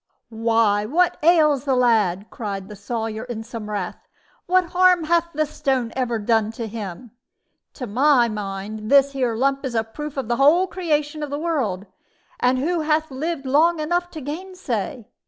"Why, what ails the lad?" cried the Sawyer, in some wrath; "what harm hath the stone ever done to him? To my mind, this here lump is a proof of the whole creation of the world, and who hath lived long enough to gainsay?